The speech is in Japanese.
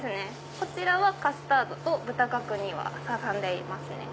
こちらはカスタードと豚角煮を挟んでいますね。